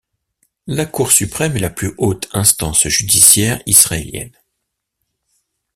La Cour suprême est la plus haute instance judiciaire israélienne.